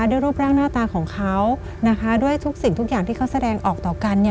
ด้วยรูปร่างหน้าตาของเขานะคะด้วยทุกสิ่งทุกอย่างที่เขาแสดงออกต่อกันเนี่ย